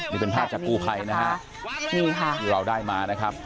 นี่เป็นภาพจากกู้ไพนะคะเราได้มานะครับแบบนี้นะคะนี่ค่ะ